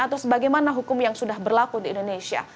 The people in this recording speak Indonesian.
atau sebagaimana hukum yang sudah berlaku di indonesia